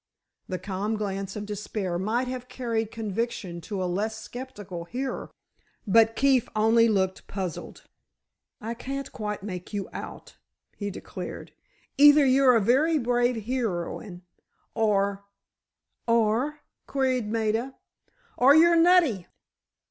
The calm glance of despair might have carried conviction to a less skeptical hearer, but Keefe only looked puzzled. "I can't quite make you out," he declared; "either you're a very brave heroine—or——" "Or?" queried Maida. "Or you're nutty!"